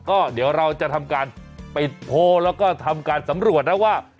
ก็เดี๋ยวเราจะทำการปิดโพลแล้วก็ทำการสำรวจนะว่า